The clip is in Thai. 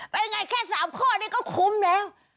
เป็นอย่างไรแค่๓ข้อนี้ก็คุ้มแล้ว